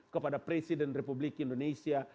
kepada presiden republik indonesia